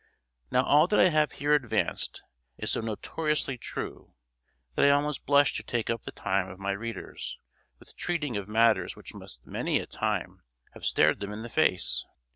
Now all that I have here advanced, is so notoriously true, that I almost blush to take up the time of my readers, with treating of matters which must many a time have stared them in the face.